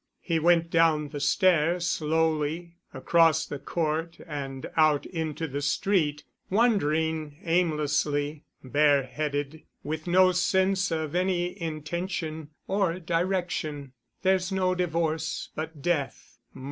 He went down the stairs slowly, across the court and out into the street, wandering aimlessly, bare headed, with no sense of any intention or direction. "There's no divorce—but death."